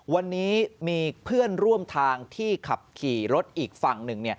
วันนี้มีเพื่อนร่วมทางที่ขับขี่รถอีกฝั่งหนึ่ง